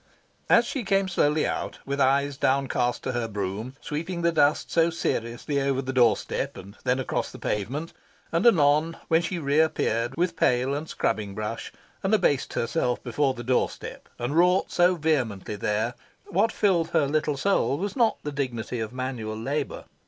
As she came slowly out, with eyes downcast to her broom, sweeping the dust so seriously over the doorstep and then across the pavement, and anon when she reappeared with pail and scrubbing brush, and abased herself before the doorstep, and wrought so vehemently there, what filled her little soul was not the dignity of manual labour.